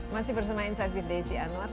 masih bersama insight with desi anwar